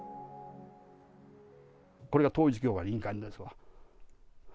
これが統一教会の印鑑ですわ。